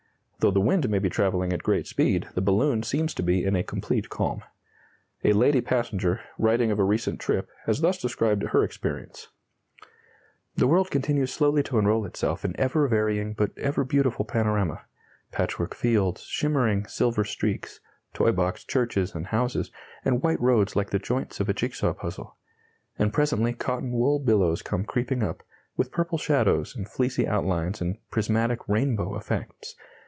Though the wind may be travelling at great speed, the balloon seems to be in a complete calm. A lady passenger, writing of a recent trip, has thus described her experience: "The world continues slowly to unroll itself in ever varying but ever beautiful panorama patchwork fields, shimmering silver streaks, toy box churches and houses, and white roads like the joints of a jig saw puzzle. And presently cotton wool billows come creeping up, with purple shadows and fleecy outlines and prismatic rainbow effects.